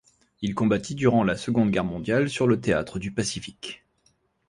Il combattit durant la Seconde Guerre mondiale sur le théâtre du Pacifique.